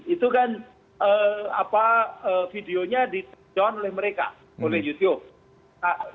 itu kan videonya di take down oleh mereka oleh youtube